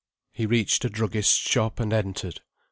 He reached a druggist's shop, and entered.